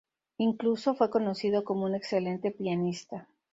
Incluso fue conocido como un excelente pianista.